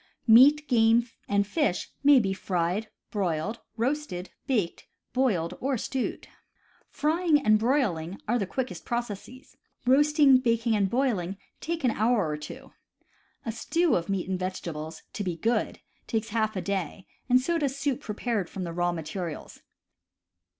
Meat, game, and fish may be fried, broiled, roasted, baked, boiled, or stewed. Frying and broiling are the quickest processes; roasting, baking, and boiling take an hour or two; a stew of meat and vegetables, to be good, takes half a day, and so does soup prepared from the raw materials.